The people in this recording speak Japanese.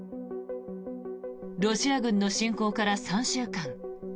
ロシア軍の侵攻から３週間。